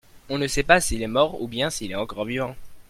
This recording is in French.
on ne sait pas s'il est mort ou bien s'il est encore vivant.